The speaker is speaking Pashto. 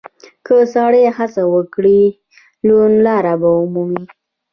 که سړی هڅه وکړي، نو لاره به ومومي.